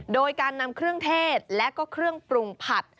โดยการนำเครื่องเทศและก็เครื่องปรุงผัด